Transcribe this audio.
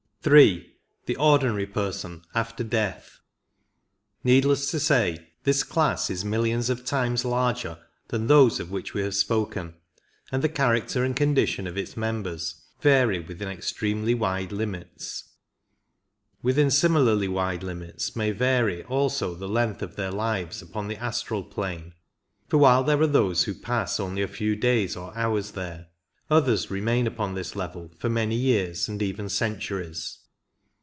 3. The Ordinary Person after death. Needless to say, this class is millions of times larger than those of which we have spoken, and the character and condition of its members vary within extremely wide limits. Within similarly wide limits may vary also the length of their lives upon the astral plane, for while there are those who pass only a few days or hours there, others remain upon this level for many years and even centuries.